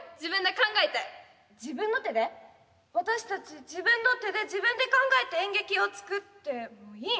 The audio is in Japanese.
私たち自分の手で自分で考えて演劇を作ってもいいん？